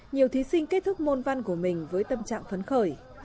nhiều thí sinh kết thúc môn văn của mình với tâm trạng phấn khởi